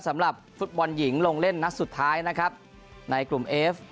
สำหรับฟุตบอลหญิงลงเล่นนัดสุดท้ายนะครับในกลุ่มเอฟ